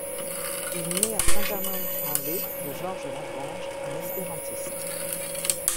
Il naît à Saint-Germain-en-Laye de Georges Lagrange, un espérantiste.